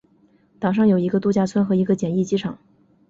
岛上有一个度假村和一个简易机场。